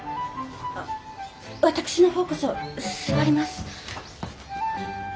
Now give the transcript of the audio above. あ私の方こそ座ります。